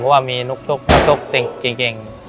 เพราะว่ามีนกชกนกชกเก่ง